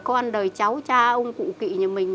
con đời cháu cha ông cụ kỵ nhà mình